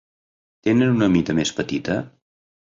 Tenen una mida més petita?